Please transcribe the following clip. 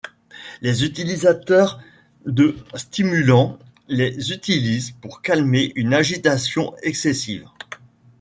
Les utilisateurs de stimulants les utilisent pour calmer une agitation excessive.